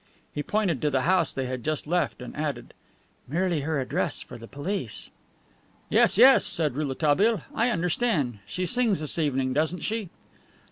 He pointed to the house they had just left, and added: "Merely her address for the police." "Yes, yes," said Rouletabille, "I understand. She sings this evening, doesn't she?"